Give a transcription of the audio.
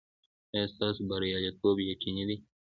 ایا ستاسو بریالیتوب یقیني دی؟